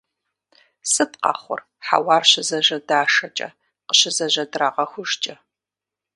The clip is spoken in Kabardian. Сыт къэхъур хьэуар щызэжьэдашэкӀэ, къыщызэжьэдрагъэхужкӀэ?